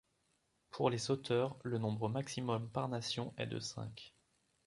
Pour les sauteurs, le nombre maximum par nation est de cinq.